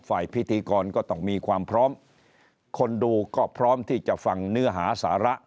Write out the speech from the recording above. ฝ่ายพิธีกรก็ต้องมีความพร้อมคนดูก็พร้อมที่จะฟังเนื้อหาสาระ